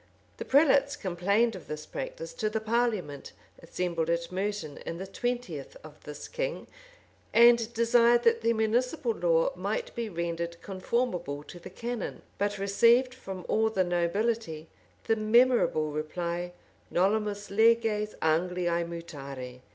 The prelates complained of this practice to the parliament assembled at Merton in the twentieth of this king, and desired that the municipal law might be rendered conformable to the canon; but received from all the nobility the memorable reply, "Nolumus leges Angliae mutare."